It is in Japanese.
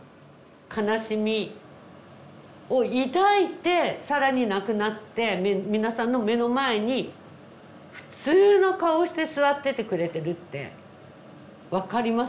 悲しみを抱いて更に亡くなって皆さんの目の前に普通の顔をして座っててくれてるって分かります？